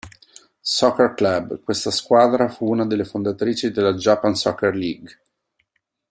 Soccer Club, questa squadra fu una delle fondatrici della Japan Soccer League.